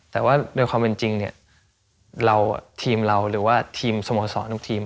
แต่ว่าโดยความเป็นจริงเนี่ยเราทีมเราหรือว่าทีมสโมสรทุกทีม